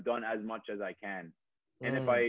gue udah berhasil buat sebagian banyak